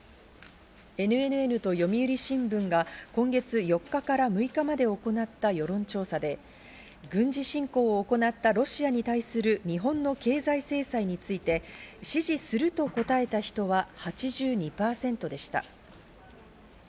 ＮＮＮと読売新聞が今月４日から６日まで行った世論調査で、軍事侵攻を行ったロシアに対する日本の経済制裁について支持すると答えた人は８２％でした。